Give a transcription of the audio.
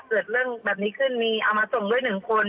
เกิดเรื่องแบบนี้ขึ้นมีเอามาส่งด้วย๑คน